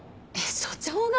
署長が？